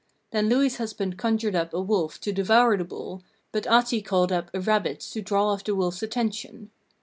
Then Louhi's husband conjured up a wolf to devour the bull, but Ahti called up a rabbit to draw off the wolf's attention.